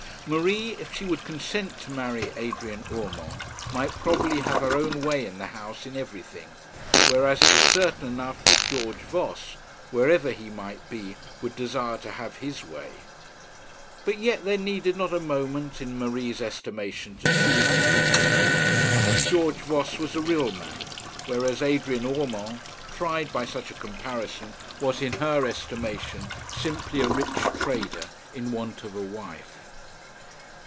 Marie, if she would consent to marry Adrian Urmand, might probably have her own way in the house in everything; whereas it was certain enough that George Voss, wherever he might be, would desire to have his way. But yet there needed not a moment, in Marie's estimation, to choose between the two. George Voss was a real man; whereas Adrian Urmand, tried by such a comparison, was in her estimation simply a rich trader in want of a wife.